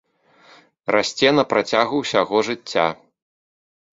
Расце на працягу ўсяго жыцця.